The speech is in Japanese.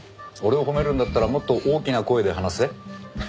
俺を褒めるんだったらもっと大きな声で話せ。